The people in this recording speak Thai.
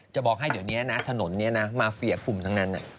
บอกให้เดี๋ยวนี้นะถนนนี้นะมาเฟียกลุ่มทั้งนั้น